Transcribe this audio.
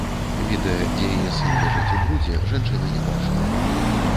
Відэа, дзе яе сын ляжыць у брудзе, жанчына не бачыла.